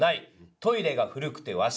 「トイレが古くて和式」。